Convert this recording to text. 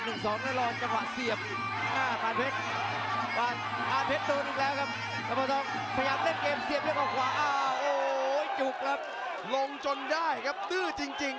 รุ่นน้องไม่เคยศักดิ์สินรุ่นผีรุ่นผีก็เลยกลัวรุ่นน้อง